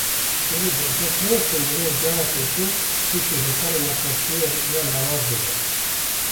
Gelo derfet heye ku mirov cara pêşîn tûşî hokara nexweşiyê ya lawaz bibe?